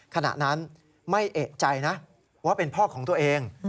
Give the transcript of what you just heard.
ขณะนั้นไม่เอกใจนะว่าเป็นพ่อของตัวเอง